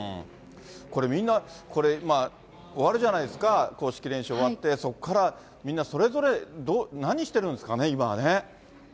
これ、みんな、これ、終わるじゃないですか、公式練習終わって、そこからみんなそれぞれ何してるんですかね、今はね。